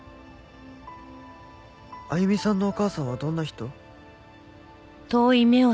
歩さんのお母さんはどんな人？